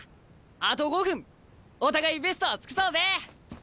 あと５分お互いベストを尽くそうぜ！